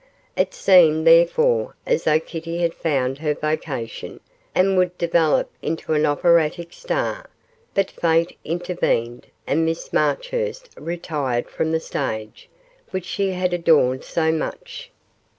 It seemed, therefore, as though Kitty had found her vocation, and would develop into an operatic star, but fate intervened, and Miss Marchurst retired from the stage, which she had adorned so much.